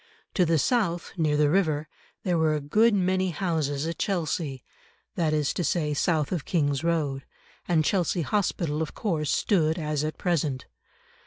To the south, near the river, there were a good many houses at Chelsea, that is to say south of King's Road, and Chelsea Hospital of course stood as at present.